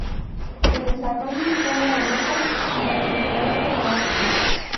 Se desarrolla en toda Europa y en el oeste de Asia.